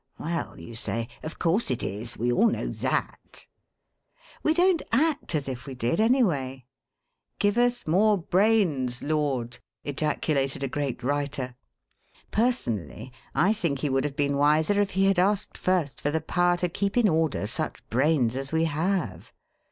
'Well,' you say, 'of course it is. We all know that!' We don't act as if we did, anyway. 'Give us more brains, Lord!' ejaculated a great writer. Personally, I think he would have been wiser if he had asked first for the power to keep in order such brains as we have.